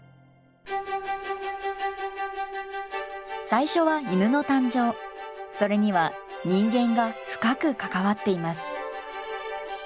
最初はそれには人間が深く関わっています。